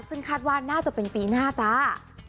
ซึ่งคาดว่าน่าจะเป็นปีหน้าจ้า